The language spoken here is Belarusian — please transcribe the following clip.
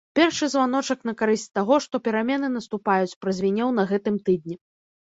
Першы званочак на карысць таго, што перамены наступаюць, празвінеў на гэтым тыдні.